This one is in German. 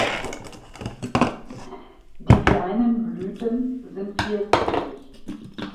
Die kleinen Blüten sind vierzählig.